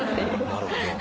なるほど。